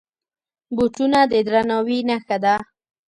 بوټونه د درناوي نښه ده.